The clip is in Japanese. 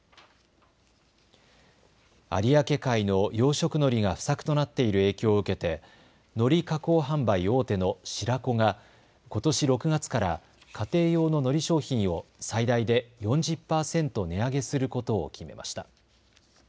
有明海の養殖のりが不作となっている影響を受けてのり加工販売大手の白子がことし６月から家庭用ののり商品を最大で４０％値上げすることを決めました。